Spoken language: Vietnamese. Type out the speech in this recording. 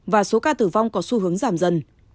và số ca tử vong có xu hướng giảm dần